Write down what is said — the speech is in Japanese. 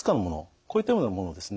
こういったようなものをですね